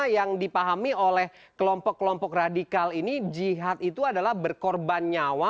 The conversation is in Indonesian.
yang dipahami oleh kelompok kelompok radikal ini jihad itu adalah berkorban nyawa